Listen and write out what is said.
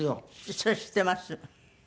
それ知っています。